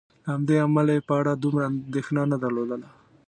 له همدې امله یې په اړه دومره اندېښنه نه درلودله.